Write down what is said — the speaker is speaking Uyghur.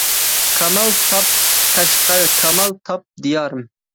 كامال تاپ قەشقەر، كامال تاپ دىيارىم.